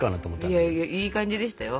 いやいやいい感じでしたよ。